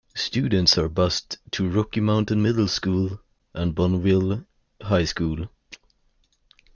Students are bussed to Rocky Mountain Middle School, and Bonneville High School.